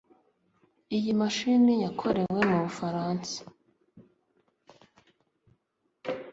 iyi mashini yakorewe mu bufaransa